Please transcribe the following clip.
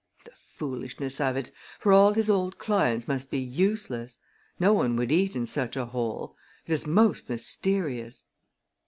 The foolishness of it for all his old clients must be useless! No one would eat in such a hole. It is most mysterious!"